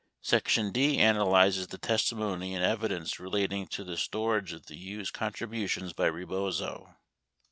Section D analyzes the testimony and evidence relating to the storage of the Hughes contributions by Rebozo.